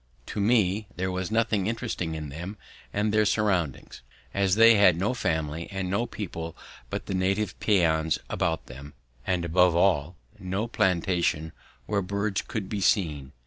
To me there was nothing interesting in them and their surroundings, as they had no family and no people but the native peons about them, and, above all, no plantation where birds could be seen.